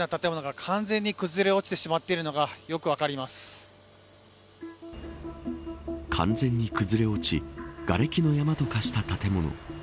完全に崩れ落ちがれきの山と化した建物。